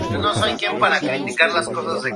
Masashi Otani